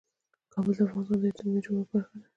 کابل د افغانستان د اجتماعي جوړښت برخه ده.